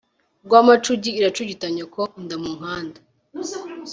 Rwamacugi iracugita nyoko.-Inda mu nkanda.